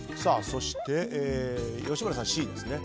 そして、吉村さんはＣですね。